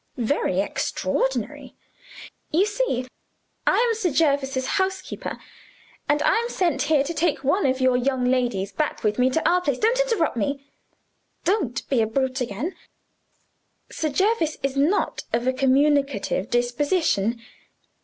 Very extraordinary. You see, I am Sir Jervis's housekeeper; and I am sent here to take one of your young ladies back with me to our place. Don't interrupt me! Don't be a brute again! Sir Jervis is not of a communicative disposition.